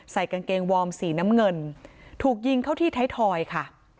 กางเกงวอร์มสีน้ำเงินถูกยิงเข้าที่ไทยทอยค่ะ